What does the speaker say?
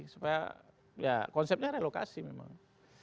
supaya ya konsepnya relokasi memang